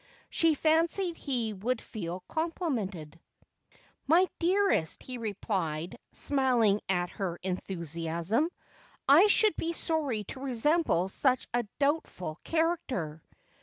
She fancied he would feel complimented. ' My dearest,' he replied, smiling at her enthusiasm, 'I should be sorry to resemble such a doubtful character.'